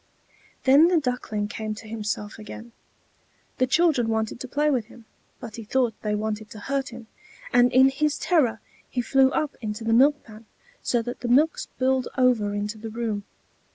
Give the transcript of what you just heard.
Then the Duckling came to himself again. The children wanted to play with him; but he thought they wanted to hurt him, and in his terror he flew up into the milk pan, so that the milk spilled over into the room.